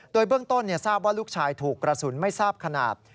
โดยเบื้องต้นทราบว่าลูกชายถูกกระสุนไม่ทราบขนาด